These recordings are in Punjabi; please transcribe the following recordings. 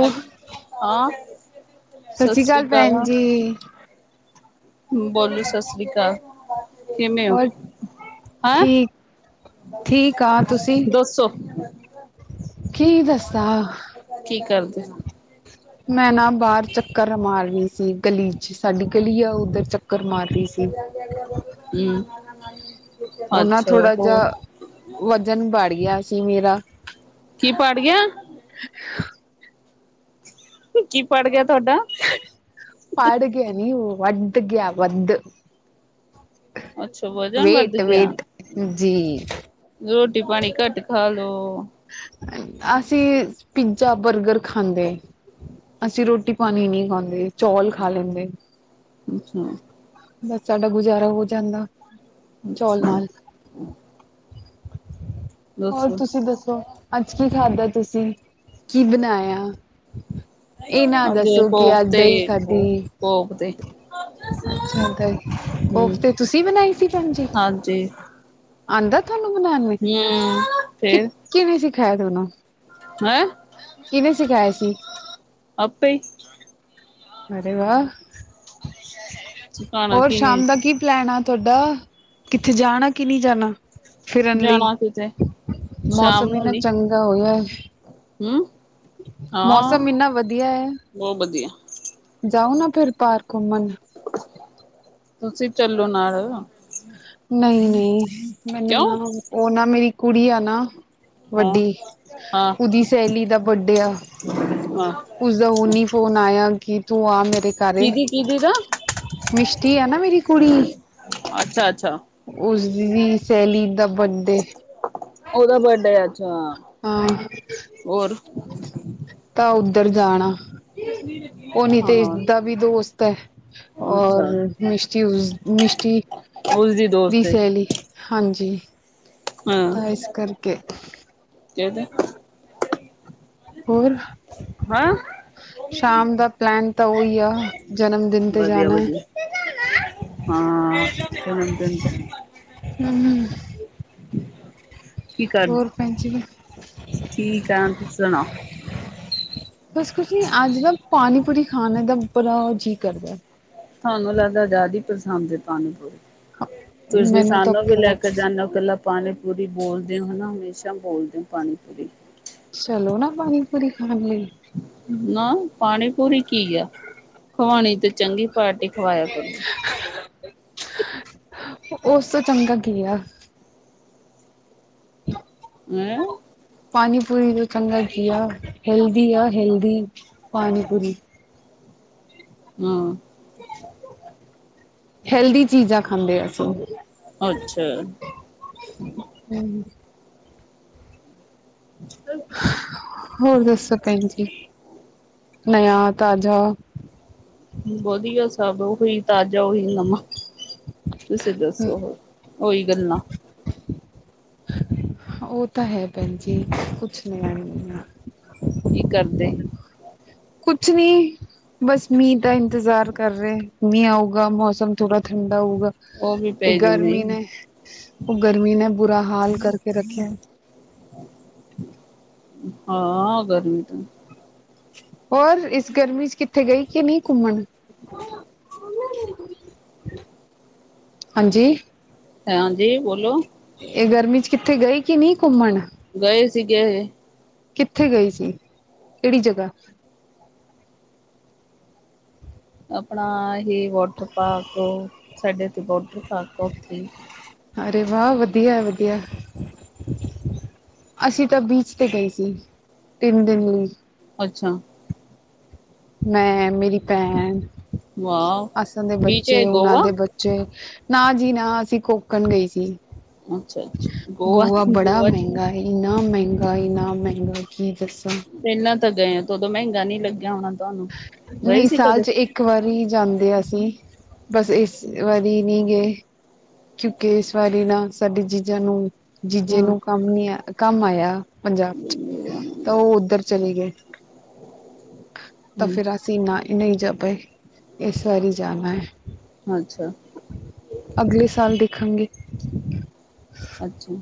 ਹੈਲੋ ਹਾਂ ਸਤਿ ਸ੍ਰੀ ਅਕਾਲ ਭੈਨ ਜੀ। ਬੋਲੋ ਸਤਿ ਸ੍ਰੀ ਅਕਾਲ। ਕਿਵੇਂ ਹੋ ਹੋਰ ਹੈਂ ਠੀਕ-ਠੀਕ ਆਂ ਤੁਸੀ ਦੋ ਸੌ ਕੀ ਦੱਸਾਂ। [inaudible] ਮੈਂ ਨਾ ਬਾਹਰ ਚੱਕਰ ਮਾਰ ਰਹੀ ਸੀ ਗਲੀ ਚ, ਸਾਡੀ ਗਲੀ ਆ ਉਧਰ ਚਕ ਹਮ ਉਹ ਨਾ ਅੱਛਾ ਥੋੜਾ ਹੋਰ। ਜਿਹਾ ਵਜਨ ਬੜ ਗਿਆ ਸੀ ਮੇਰਾ ਕੀ ਪਾਟ ਗਿਆ। ਕੀ ਪਾਟ ਗਿਆ। ਤੁਹਾਡਾ ਹੁਹ ਫਾੜ ਗਿਆ ਨੀ ਓਹ। ਵੱਧ ਗਿਆ ਵੱਧ। ਅੱਛਾ ਵਜਨ ਵੱਧ ਵੇਟ ਗਿਆ। ਵੇਟ ਜੀ ਟੀ ਪਾਣੀ ਘੱਟ ਖਾ ਲੋੋ। ਅਸੀਂ ਪਿੱਜਾ ਬਰਗਰ ਖਾਂਦੇ ਅਸੀਂ ਰੋਟੀ ਪਾਨੀ ਨੀ ਖਾਂਂਦੇ, ਚੌਲ ਖਾ ਲੈਂਦੇ। ਅੱਛਾ ਬਸ ਸਾਡਾ ਗੁਜ਼ਾਰਾ ਹੋ ਜਾਂਦਾ। ਚੌਲ ਅੱਛਾ। ਨਾਲ ਹੋਰ ਦੱਸੋ ਤੁਸੀਂ ਦੱਸੋ? ਅੱਜ ਕੀ ਖਾਧਾ ਤੁਸੀਂ? ਕੀ ਬਣਾਇਆ? ਇਹ ਨਾ ਹਾਂਜੀ ਦੱਸੋ ਕਿ ਹੋਪ ਅੱਜ ਤੇ ਦਹੀ ਖਾਧੀ। ਹੋਪ ਤੇ ਅੱਛਾ ਤ ਹਮ ਕੋਫ਼ਤੇ ਤੁਸੀਂ ਬਣਾਈ ਸੀ ਭੈਣਜੀ ਹਾਂਜੀ ਆਂਦਰ ਤੁਹਾਨੂੰ ਬਣਾਨੇ। ਹਮ ਕਿ ਫੇਰ ਕਿਵੇਂ ਸਿਖਾਇਆ ਤੁੋਨੂੰ ਹੈਂ ਕਿਨੇ ਸਿਖਾਏ ਸੀ? ਆਪੇ ਹੀ ਅਰੇ ਵਾਹ। ਸੁਕਾਣਾ ਔਰ ਕਿਨੇ ਸ਼ਾਮ ਦਾ ਕੀ ਪਲੈਨ ਆ ਤੁਹਾਡਾ ਕਿੱਥੇ ਜਾਣਾ ਕਿ ਨਹੀਂ ਜਾਣਾ। ਫਿਰਨ ਲਈ। ਜਾਣਾ ਕਿਤੇ ਸ਼ਾਮ ਮੌਸਮ ਇਨ੍ਹਾਂ ਚੰਗਾ ਹੋਇਆ। ਹੂੰ। ਮੌਸਮ ਇੰਨਾ ਵਧੀਆ ਐ। ਬਹੁਤ ਵਧੀਆ ਜਾਓ ਨਾ ਫਿਰ ਪਾਰ ਘੁੰਮਣ। ਤੁਸੀਂ ਚੱਲੋ ਨਾਲ। ਨਹੀਂ ਨਹੀਂ। ਮੈਨੂੰ ਨਾ ਕਿਉਂ ਉਹ ਨਾ ਮੇਰੀ ਕੁੜੀ ਆਂ ਨਾ ਹਾਂ ਵੱਡੀ ਹਾਂ ਓਦੀ ਸਹੇਲੀ ਦਾ ਬੱਡੇ ਆ ਹਾਂ ਉਸਦਾ ਹੂੰਨੀ ਫੋਨ ਆਇਆ ਕਿ ਤੂੰ ਆ ਮ ਤੇ ਘਰੇ ਕਿਹਦੀ ਕਿਹਦੀ ਦਾ ਮਿਸ਼ਟੀ ਆ ਨਾ ਮੇਰੀ ਕੁੜੀ ਅੱਛਾ। ਅੱਛਾ ਉਸਦੀ ਸਹੇਲੀ ਦਾ ਬੱਡੇ ਉਹਦਾ ਬਰਡੇ ਅੱਛਾ ਹਾਂ। [inaudible] ਤਾਂ ਉੱਧਰ ਜਾਣਾ। ਉਹ ਨਿਤੇਸ਼ ਹਾਂ ਦਾ ਵੀ ਦੋਸਤ ਏ, ਔਰ ਅੱਛਾ ਮਿਸ਼ਟੀ ਉਸ ਮਿਸ਼ਟੀ ਉਸਦੀ ਦੀ ਦੋਸਤ ਏ। ਸਹੇਲੀ ਹਾਂਜੀ। ਤਾਂ ਇਸ ਹਾਂ ਕਰਕੇ [unintelligible] ਹੋਰ, ਹਾਂ ਸ਼ਾਮ ਦਾ ਪਲੈਨ ਤਾਂ ਉਹ ਹੀ ਆ, ਜਨਮਦਿਨ ਤੇ ਵਧੀਆ ਜਾਣਾ ਵਧੀਆ ਹਾਂ ਐ ਹੂੰ। [inaudible] ਹੋਰ ਭੈਣਜੀ। ਠੀਕ ਆ, ਤੁਸੀਂ ਸੁਣਾਓ? ਬਸ ਕੁਛ ਨੀ, ਅੱਜ ਦਾ ਪਾਨੀ-ਪੂਰੀ ਖਾਨੇ ਦਾ ਬੜਾ ਜੀ ਕਰਦਾ, ਤੁਹਾਨੂੰ ਲੱਗਦਾ ਜ਼ਿਆਦ ਹੀ ਪਸੰਦ ਐ ਤੁਹਾਨੂੰ ਤੇ ਤੁਸੀਂ ਮੈਨੂੰ ਤਾਂ ਸਾਨੂੰ ਵੀ ਲੈ ਕੇ ਬਹੁਤ ਜਾਂਦੇ ਹੋ ਇਕੱਲਾ, ਪਾਨੀ ਪੂਰੀ ਬੋਲਦੇ ਹੋ ਹਨਾ ਹਮੇਸ਼ਾ ਬੋਲਦੇ ਹੋ ਪਾਨੀ ਪੂਰੀ ਚਲੋ ਨਾ ਪਾਣੀ ਪੂਰੀ ਖਾਣ ਐ ਨਾ ਪਾਣੀ ਪੂਰੀ ਕੀ ਆ ਖਵਾਣੀ ਤੇ ਚੰਗੀ ਪਾਰਟੀ ਖਵਾਇਆ ਕਰੋ, [unintelligible] ਉਸ ਤੋਂ ਚੰਗਾ ਕੀ ਆ, [unintelligible] ਹੈਂ, ਪਾਣੀ ਪੂਰੀ ਚੰਗਾ ਜੀ ਆ ਹੈਲਦੀ ਆ ਹੈਲਦੀ ਪਾਣੀ ਪੂਰੀ ਹੂੰ, ਹੈਲਦੀ ਚੀਜ਼ਾਂ ਖਾਂਦੇ ਅਸੀਂ ਅੱਛਾ, ਹੂੰ ਹੋਰ ਦੱਸੋ ਭੈਣ ਜੀ, ਨਆ ਤਾਜ਼ਾ, ਵਧੀਆ ਸਭ ਉਹੀ ਤਾਜਾ ਓਹੀ ਨਵਾ ਤੁਸੀਂ ਦੱਸੋ ਹੋ ਉਹੀ ਗੱਲ ਨਾ ਉਹ ਤਾਂ ਹੈ ਭੈਣ ਜੀ ਕੁਛ ਨ ਕੀ ਕਰਦੇ, ਕੁਛ ਨਹੀਂ ਬਸ ਮੀਹ ਦਾ ਇੰਤਜ਼ਾਰ ਕਰ ਰਹੇ ਮੀਹ ਆਊਗਾ ਮੌਸਮ ਥੋੜਾ ਹੋਊਗਾ ਉਹ ਵੀ ਇਹ ਪੈ ਜੂ ਗਰਮੀ ਮੀਂਹ ਨੇ ਉਹ ਗਰਮੀ ਨੇ ਬੁਰਾ ਹਾਲ ਕਰਕੇ ਰੱਖਿਆ। ਹਾਂ ਗਰਮੀ ਤੋਂ ਹੋਰ ਇਸ ਗਰਮੀ ਚ ਕਿੱਥੇ ਗਈ ਕਿ ਨਹੀਂ ਘੁੰਮਣ ਹਾਂਜੀ ਹਾਂਜੀ ਬੋਲੋ ਇਹ ਗਰਮੀ ਚ ਕਿੱਥੇ ਗਏ ਕਿ ਨਹੀਂ ਘੁੰਮਣ ਗਏ ਸੀਗੇ। ਕਿੱਥੇ ਗਈ ਸੀ। ਕਿਹੜੀ ਜਗ੍ਹਾ ਆਪਣਾ ਵਾਟਰ ਪਾਰਕ ਸਾਡੇ ਇੱਥ ਬਹੁਤ ਵਾਟਰ ਪਾਰਕ ਉਥੇ ਅਰੇ ਵਾਹ ਵਧੀਆ-ਵਧੀਆ ਅਸੀਂ ਤਾਂ ਬੀਚ ਤੇ ਗਏ ਸੀ। ਤਿੰਨ ਦਿਨ ਲਈ ਅੱਛਾ ਮੈਂ ਮੇਰੀ ਭੈਣ ਵਾਹ ਅਸਾਂ ਦੇ ਬੀਚ ਬੱਚੇ ਏ ਉਹਨਾਂ ਗੋਆ ਦੇ ਬੱਚੇ ਨਾ ਜੀ ਨਾ ਅਸੀਂ ਕੋਕਣ ਗਏ ਸੀ। ਅੱਛਾ ਅੱਛਾ ਗੋਆ ਗੋਆ ਚ ਮਹਿੰਗਾਈ ਨਾ ਮਹਿੰਗਾਈ ਕੀ ਦੱਸਾਂ ਇਹਨਾਂ ਤਾਂ ਗਏ ਆ ਮਹਿੰਗਾ ਨ ਨਹੀਂ ਲੱਗਿਆ ਹੋਣਾ ਤੁਹਾਨੂੰ ਗਏ ਨਹੀਂ ਸੀ ਸਾਲ ਕਦੇ ਚ ਇੱਕ ਵਾਰੀ ਜਾਂਦੇ ਅਸੀਂ ਬਸ ਇਸ ਵਾਰੀ ਨਹੀਂ ਗਏ ਕਿਉਂਕਿ ਇਸ ਵਾਰੀ ਨਾ ਸਾਡੇ ਚੀਜ਼ਾਂ ਨੂੰ ਜੀਜੇ ਹਾਂ ਨੂੰ ਕੰਮ ਨੀ ਆ ਕੰਮ ਆਯਾ ਪੰਜਾਬ ਚ ਤਾਂ ਉਹ ਉੱਧਰ ਚਲੇ ਗਏ ਤਾਂ ਹੂੰ ਫਿਰ ਅਸੀਂ ਇ ਨਾ ਨਹੀਂ ਜ ਭ ਇਸ ਵਾਰੀ ਜਾਣਾ ਹੈ ਅੱਛਾ ਅਗਲੇ ਸਾਲ ਦੀ ਖੰਗੇ ਅੱਛਾ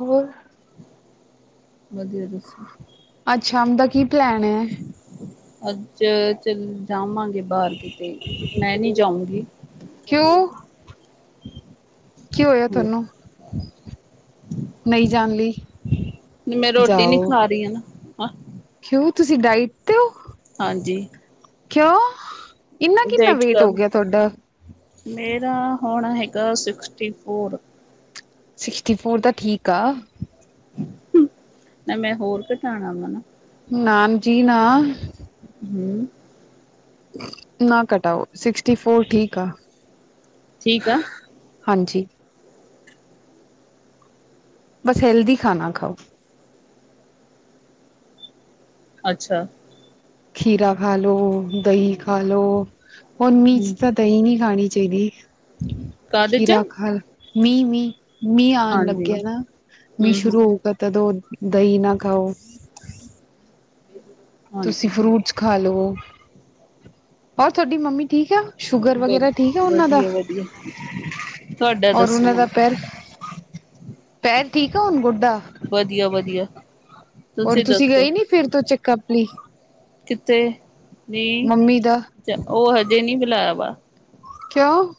ਹੋਰ ਵਧੀਆ ਦੱਸੋ ਅੱਛਾ ਹਦਾ ਕੀ ਪਲੈਨ ਹੈ। ਅੱਜ ਚੱਲ ਜਾਵਾਂਗੇ ਬਾਹਰ ਕਿਤੇ ਮੈਂ ਨੀ ਜਾਊਂਗੀ ਕਿਉਂ ਕੀ ਹੋਇਆ ਤੁਹਾਨੂੰ ਨਹੀਂ ਜਾਣ ਲਈ ਮੈਂ ਰੋਟੀ ਨਹੀਂ ਜਾਓ ਖਾ ਰਹੀ [inaudible] ਕਿਉਂ ਤੁਸੀਂ ਡਾਇਟ ਹਾਂਜੀ ਕਿਉਂ ਇੰਨਾ ਕਿੰਨਾ ਡਾਇਟ ਵੇਟ ਹੋ ਕਰ ਗਿਆ ਤੁਹਾਡਾ ਹੋਣਾ ਹੈਗਾ ਸਿਕਸਟੀ ਫੋਰ ਸਿਕਸਟੀ ਫੋਰ ਤਾਂ ਠੀਕ ਆ ਨਾ ਮੈਂ ਹੋਰ ਘਟਾਣਾ ਵਾ ਨਾ ਨਾਮ ਜੀਨਾ ਹਮ ਨਾ ਕਟਾਓ ਸਿਕਸਟੀ ਫੋਰ ਠੀਕ ਆ ਠੀਕ ਆ ਹਾਂਜੀ ਬਸ ਹੈਲਦੀ ਖਾਨਾ ਖਾਓ ਅੱਛਾ ਖੀਰਾ ਖਾਲੋ ਦਹੀਂ ਖਾਲੋ ਹੁਣ ਮੀਹ ਚ ਹੂੰ ਤਾਂ ਦਹੀਂ ਨੀ ਖਾਣੀ। ਚਾਹੀਦੀ। ਕਾਹਦੇ ਚ ਖੀਰਾ ਖਾਲਾ। ਮੀਂਹ ਮੀਂਹ। ਮੀਂਹ ਆਉਣ ਹਾਂਜੀ ਲੱਗਿਆ ਨਾ ਮੀਂਹ ਹੂੰ ਹੂੰ ਸ਼ੁਰੂ ਹੋਊਗਾ ਤਦੋਂ। ਦਹੀਂ ਨਾ ਖਾਓ। ਜਮੀ ਨੀਂ। ਤੁਸੀਂ ਫਰੂਟਸ ਖਾ ਲੋ। ਉਹ। ਹੋਰ ਤੁਹਾਡੀ ਮੰਮੀ। ਠੀਕ ਆ ਸ਼ੂਗਰ ਵ ਵਗੈਰਾ ਠੀਕ ਆ ਉਹਨਾਂ ਦਾ ਵਧੀਆ ਵਧੀਆ ਤੁਹਾਡਾ ਔਰ ਦੱਸੋ ਉਹਨਾਂ ਦਾ ਮੈਨੂੰ ਪੈਰ ਪੈਰ। ਠੀਕ ਹੁਣ। ਦਾ ਵਧੀਆ ਵਧੀਆ ਹੋਰ ਤੁਸੀਂ ਗਏ ਨੀ ਫਿਰ ਤੋਂ ਚੈੱਕਅਪ ਲਈ। ਕਿੱਥੇ? ਜੀ ਮੰਮੀ ਦਾ ਚ ਉਹ ਹਜੇ। ਦਿਨੀ ਬੁਲਾਇਆ ਵਾ। ਕਿਉਂ?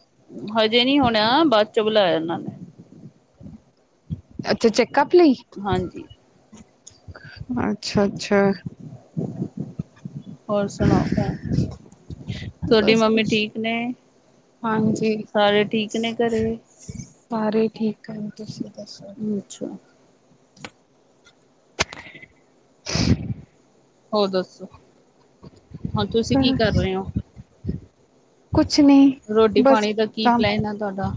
ਹਜੇ ਨਹੀਂ ਹੋਣਾ ਬਸ। 'ਚ ਬੁਲਾਇਆ ਇਹਨਾਂ ਨੇ। ਅੱਛਾ ਚੈੱਕਅਪ ਲਈ? ਹਾਂਜੀ ਚੰਗਾ। ਅੱਛਾ-ਅੱਛਾ। ਹੋਰ ਸੁਣਾਓ ਤੁਹਾਡੀ ਬਸ ਮੰਮੀ ਕੁਛ ਠੀਕ ਨੇ ਹਾਂਜੀ ਸਾਰੇ ਠੀਕ ਨੇ ਘਰੇ? ਸਾਰੇ ਠੀਕ। ਕੰਮ ਤੁਸੀਂ ਦੱਸੋ? ਅੱਛਾ [unintelligible] ਹੋਰ ਦੱਸੋ? ਹੁਣ ਤੁਸੀਂ ਕੀ ਕਰ ਬਸ ਰਹੇ ਹੋ? ਕੁਛ। ਨਹੀਂ ਰੋਟੀ ਬਸ ਪਾਣੀ ਦਾ ਕੀ ਕੰਮ ਪਲੈਨ ਹੈ ਤੁਹਾਡਾ?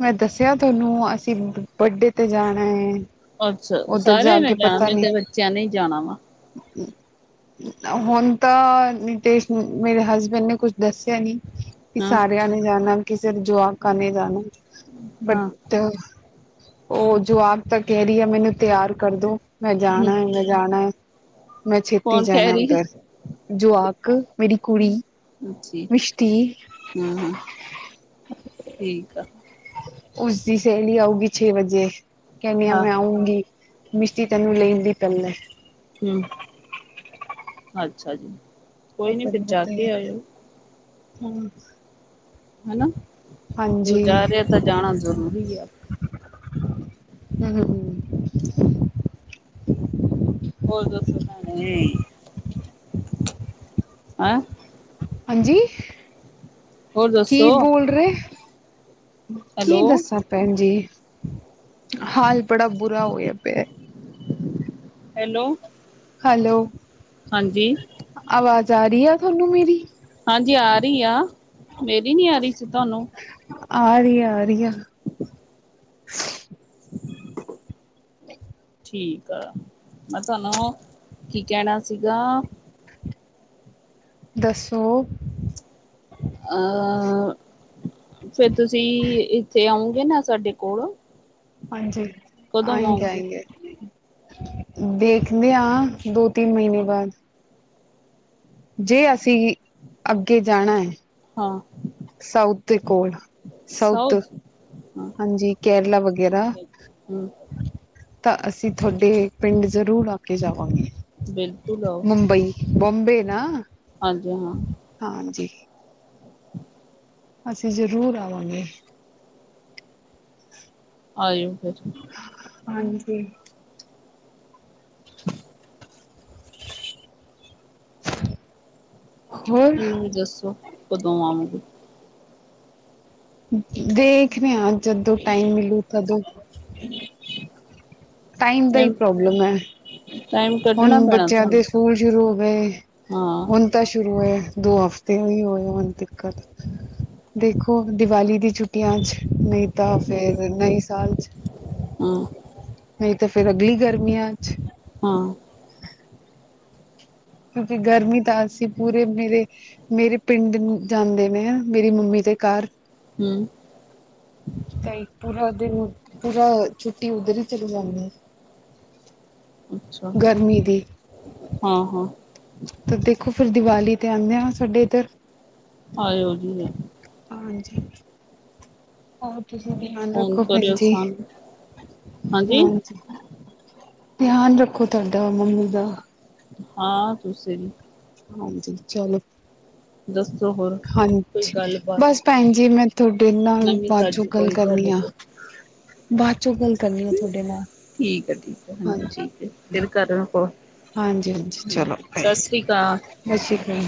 ਮੈਂ ਦੱਸਿਆ ਤੁਹਾਨੂੰ ਅਸੀਂ ਬੱਡੇ ਤੇ ਜਾਣਾ ਐ। ਅੱਛਾ ਸਾਰਿਆਂ ਨੇ ਜਾਣਾ ਮੈਂ ਕਿਹਾ ਬੱਚਿਆਂ ਨੇ ਜਾਣਾ ਵਾ। ਹੂੰ ਹੁਣ ਤਾਂ ਨਿਤੇਸ਼ ਮੇਰੇ ਹਸਬੈਂਡ ਨੇ ਕੁਝ ਦੱਸਿਆ ਨੀ? ਕਿ ਹਾਂ ਸਾਰਿਆਂ ਨੇ ਜਾਣਾ? ਕਿ ਸਿਰਫ ਜੋਆਕਾ ਨੇ ਜਾਣਾ, ਹਾਂ ਬਟ, ਉਹ ਜੋ ਆਪ ਤੇ ਕਹਿ ਰਹੀ ਹੈ ਮੈਨੂੰ ਤਿਆਰ ਕਰਦੋ। ਮੈਂ ਹਮ ਜਾਣਾ ਮੈਂ ਜਾਣਾ, ਮੈਂ ਛੇਤੀ ਕੌਣ ਜਾਣਾ ਕਹਿ ਰਹੀ ਹੈ ਉੱਧਰ ਜੁਆਕ ਮੇਰੀ ਕੁੜੀ ਅੱਛੀ ਮਿਸ਼ਟੀ, ਹਾਂ ਹਾਂ ਠੀਕ ਆ ਉਸਦੀ ਸਹੇਲੀ ਆਊਗੀ ਛੇ ਵਜੇ, ਕਹਿਣੀ ਆ ਹਾਂ ਮੈਂ ਆਊਂਗੀ। ਮਿਸ਼ਟੀ ਤੈਨੂੰ ਲੈਣ ਦੀ ਪਹਿਲਾ, ਹੂੰ ਅੱਛਾ ਜੀ। ਕੋਈ ਨੀ ਫਿਰ ਜਾ ਕੇ ਆਇਓ। ਹੂੰ, ਹੈਨਾ ਔ ਜਾ ਰਿਹਾ ਤਾਂ ਜਾਣਾ ਜ਼ਰੂਰੀ ਆ। ਹੂੰ [unintelligible] ਹੋਰ ਦੱਸੋ? [unintelligible] ਹੈਂ। ਹਾਂਜੀ, ਹੋਰ ਦੱਸੋ ਕੀ ਬੋਲ ਰਹੇ ਕੀ ਹੈਲੋ ਦੱਸਾਂ ਭੈਣ ਜੀ ਹਾਲ ਬੜਾ ਬੁਰਾ ਹੋਇਆ ਪਿਐ ਹੈਲੋ ਹੈਲੋ ਹਾਂਜੀ ਆਵਾਜ਼ ਜਾ ਰਹੀ ਆ ਤੁਹਾਨੂੰ ਮੇਰੀ ਕੀਆ ਮੇਰੀ ਨੀ ਆ ਰਹੀ ਅਛਾ ਤੁਹਾਨੂੰ ਆਰੀ ਆਂ ਆ ਰੀਆ ਠੀਕ ਆ ਮੈਂ ਤੁਹਾਨੂੰ ਕੀ ਕਹਿਣਾ ਸੀਗਾ ਦੱਸੋ। ਅਹ ਫਿਰ ਤੁਸੀਂ ਇੱਥੇ ਆਉਗੇ ਨਾ ਸਾਡੇ ਕੋਲ ਹਾਂਜੀ ਕਦੋਂ ਆਏਂਗੇ ਆਓਗੇ ਆਏਂਗੇ ਦੇਖਦੇ ਹ ਦੋ ਤਿੰਨ ਮਹੀਨੇ ਬਾਅਦ ਜੇ ਅਸੀਂ ਅੱਗੇ ਜਾਣਾ ਹੈ ਹਾਂ ਸਾਊਥ ਦੇ ਕੋਲ ਸਾਊਥ ਹਾਂ ਹਾਂਜੀ ਕੇਰਲਾ ਵਗੈਰਾ ਹਮ ਤਾਂ ਅਸੀਂ ਤੁਹਾਡੇ ਪਿੰਡ ਜ਼ਰੂਰ ਆ ਕੇ ਜਾਵਾਂਗੇ ਬਿਲਕੁਲ ਆਉ ਬੌਬੇ ਨਾ ਹਾਂਜੀ ਹਾਂ [unintelligible] ਅਸੀਂ ਜ਼ਰੂਰ ਆਵਾਂਗੇ। ਆਇਓ ਫਿਰ ਹਾਂਜੀ ਹੋਰ ਮੈਨੂੰ ਵੀ ਦੱਸੋ ਕਦੋਂ ਆਵਗੇ। ਦੇਖ ਰਹੇ ਆ ਜਦੋਂ ਟਾਈਮ ਮਿਲੂ ਤਦੋਂ ਟਾਈਮ ਦਾ ਹੀ ਪ੍ਰੋਬਲਮ ਹੈ। ਟਾਈਮ ਕੱਢਣਾ ਹੁਣ ਪੈਣਾ ਬੱਚਿਆਂ ਦੇ ਤੁਹਾਨੂੰ ਸਕੂਲ ਸ਼ੁਰੂ ਹੋ ਗਏ। ਹਾਂ ਹੁਣ ਤਾਂ ਸ਼ੁਰੂ ਹੋਏ ਦੋ ਹਫ਼ਤੇ ਹੀ ਹੋਏ ਹੁਣ ਦਿੱਕਤ ਦੇਖੋ ਦੀਵਾਲੀ ਦੀ ਛੁੱਟੀਆਂ ਅੱਜ ਨਹੀਂ ਤਾਂ ਫੇਰ ਨਹੀਂ ਸਾਲ ਚ ਹਾਂ ਤਾਂ ਫਿਰ ਅਗਲੀ ਗਰਮੀਆਂ ਚ ਹਾਂ ਕਿਉਂਕਿ ਗਰਮੀ ਤਾਂ ਅਸੀਂ ਪੂਰੇ ਮੇਰੇ ਮੇਰੇ ਪਿੰਡ ਜਾਂਦੇ ਨੇ ਮੇਰੀ ਮੰਮੀ ਦੇ ਘਰ ਹੂੰ ਤਾਂ ਇੱਕ ਪੂਰਾ ਦਿਨ ਪੂਰਾ ਛੁੱਟੀ ਉੱਧਰ ਹੀ ਚੱਲ ਜਾਂਦੀ ਆ। ਅੱਛਾ ਹਾਂ, ਹਾਂ। ਤਾਂ ਦੇਖੋ ਫਿਰ ਦੀਵਾਲੀ ਤੇ ਆਂਦੇ ਆ ਸਾਡੇ ਇੱਧਰ ਆਇਓ ਠੀਕ ਐ ਹਾਂਜੀ, ਹਾਂ, ਤੁਸੀਂ ਧਿਆਨ ਫੋਨ ਰੱਖੋ ਕਰਿਓ ਭੈਣਜੀ, ਸਾਨੂੰ ਹਾਂਜੀ। ਧਿਆਨ ਰੱਖੋ ਤੁਹਾਡਾ ਮੰਮੀ ਦਾ ਹਾਂ ਤੁਸੀ ਵੀ ਹਾਂਜੀ ਚਲੋ। ਦੱਸੋ ਹੋਰ ਕੋਈ ਹਾਂਜੀ ਗੱਲਬਾਤ ਬਸ ਭੈਣ ਜੀ ਮੈਂ ਤੁਹਾਡੇ ਨਾਲ ਨਵੀਂ ਬਾਦ ਚੋਂ ਤਾਜ਼ੀ ਗੱਲ ਕੋਈ ਕਰਨੀ ਤੁਹਾਡੇ ਆ। ਕੋਲ ਬਾਅਦ ਚੋਂ ਗੱਲ ਕਰਨੀ ਆ ਤੁਹਾਡੇ ਨਾਲ ਠੀਕ ਹੈ ਹਾਂਜੀ ਠੀਕ ਹੈ, ਫਿਰ ਕਰ ਹੋ ਹਾਂਜੀ ਹਾਂਜੀ ਚਲੋ ਬਾਏ। ਸਸ ਰੀ ਕਾਲ। ਸਤਿ ਸ਼੍ਰੀ ਅਕਾਲ।